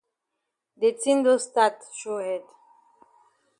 De tin don stat show head.